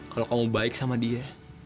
kalau kamu baik sama dia